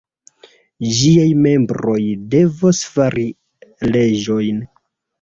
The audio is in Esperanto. Ĝiaj membroj devos fari leĝojn.